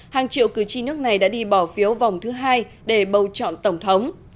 hàng triệu cử tri nước này đã đi bỏ phiếu vòng thứ hai để bầu chọn tổng thống